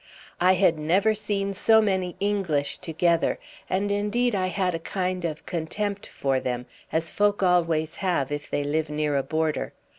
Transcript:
I had never seen so many English together, and indeed I had a kind of contempt for them, as folk always have if they live near a border.